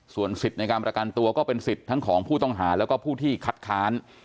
ส่วนสิทธิ์ในการประกันตัวก็เป็นสิทธิ์ทั้งของผู้ต้องหาแล้วก็ผู้ที่คัดค้าน